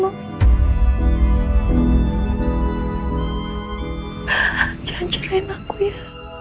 jangan ngerahin aku ya